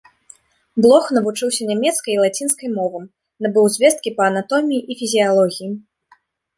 Блох навучыўся нямецкай і лацінскай мовам, набыў звесткі па анатоміі і фізіялогіі.